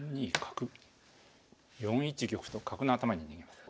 ４一玉と角の頭に逃げます。